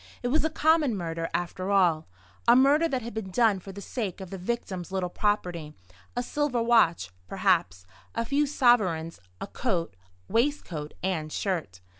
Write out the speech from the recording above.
It was a common murder, after all; a murder that had been done for the sake of the victim's little property; a silver watch, perhaps; a few sovereigns; a coat, waistcoat, and shirt.